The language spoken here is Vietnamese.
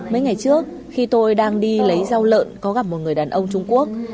mấy ngày trước khi tôi đang đi lấy rau lợn có gặp một người đàn ông trung quốc